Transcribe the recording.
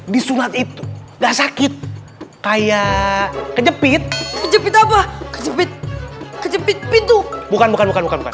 di sunat itu gak sakit kayak kejepit kejepit apa kejepit kejepit pintu bukan bukan bukan